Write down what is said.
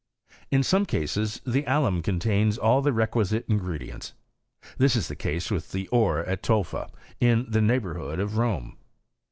In some cases, the alum ore contains all the requisite ingredients. This is the case with the ore at Tolfa, in the neighbourhood of Rome.